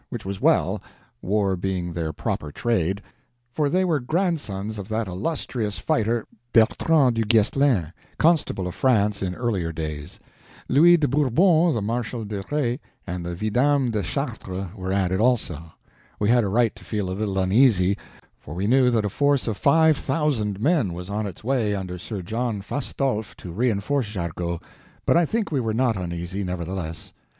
Which was well; war being their proper trade, for they were grandsons of that illustrious fighter Bertrand du Guesclin, Constable of France in earlier days. Louis de Bourbon, the Marshal de Rais, and the Vidame de Chartres were added also. We had a right to feel a little uneasy, for we knew that a force of five thousand men was on its way under Sir John Fastolfe to reinforce Jargeau, but I think we were not uneasy, nevertheless.